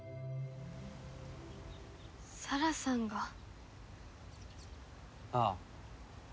沙羅さんが？ああ。